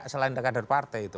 selain kader partai itu